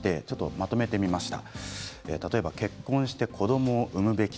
まとめてみました。